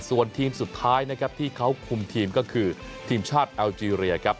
ส่วนทีมสุดท้ายนะครับที่เขาคุมทีมก็คือทีมชาติแอลเจรียครับ